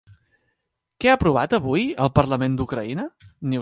Què ha aprovat avui el parlament d'Ucraïna?